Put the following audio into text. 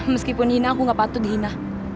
meskipun hina aku gak patut dihina